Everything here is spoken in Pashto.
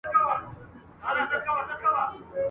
چي پخپله څوک په ستونزه کي اخته وي !.